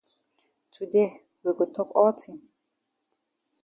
Today we go tok all tin.